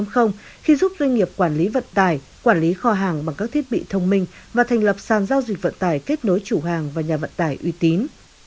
khi giúp doanh nghiệp quản lý vận tải quản lý kho hàng bằng các thiết bị thông minh và thành lập sàn giao dịch vận tải kết nối chủ hàng và nhà vận tải uy tín